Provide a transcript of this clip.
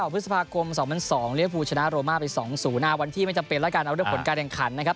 พฤษภาคม๒๐๐๒เลี้ยภูชนะโรมาไป๒๐วันที่ไม่จำเป็นแล้วกันเอาด้วยผลการแข่งขันนะครับ